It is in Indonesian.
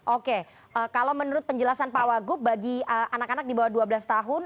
oke kalau menurut penjelasan pak wagub bagi anak anak di bawah dua belas tahun